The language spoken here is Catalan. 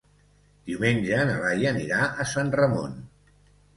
Diumenge na Laia anirà a Sant Ramon.